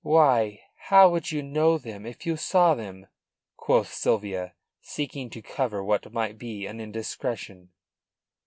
"Why, how would you know them if you saw them?" quoth Sylvia, seeking to cover what might be an indiscretion.